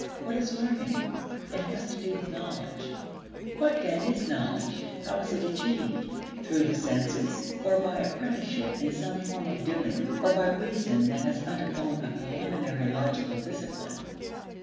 What is learning? It has to do with knowledge. What, then, is knowledge? How is it achieved? Through the senses, or by apprenticeship in some form of doing, or by reason that has undergone a preliminary logical discipline?